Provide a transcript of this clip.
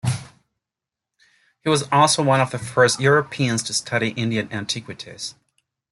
He was also one of the first Europeans to study Indian antiquities.